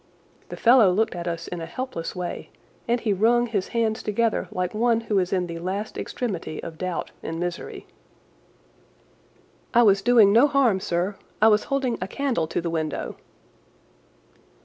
The fellow looked at us in a helpless way, and he wrung his hands together like one who is in the last extremity of doubt and misery. "I was doing no harm, sir. I was holding a candle to the window."